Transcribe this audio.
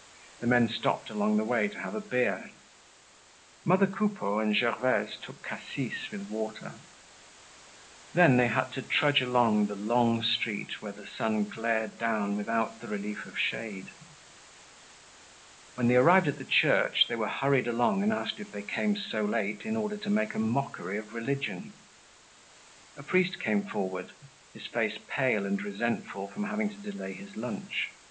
The men stopped along the way to have a beer. Mother Coupeau and Gervaise took cassis with water. Then they had to trudge along the long street where the sun glared straight down without the relief of shade. When they arrived at the church they were hurried along and asked if they came so late in order to make a mockery of religion. A priest came forward, his face pale and resentful from having to delay his lunch.